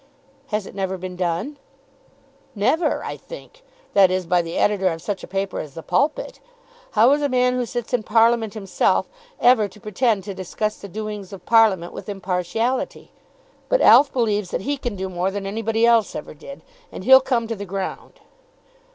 "Has it never been done?" "Never, I think; that is, by the editor of such a paper as the 'Pulpit.' How is a man who sits in parliament himself ever to pretend to discuss the doings of parliament with impartiality? But Alf believes that he can do more than anybody else ever did, and he'll come to the ground.